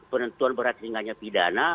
penentuan berat lingganya pidana